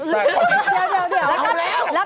เดี๋ยวเดี๋ยวแล้ว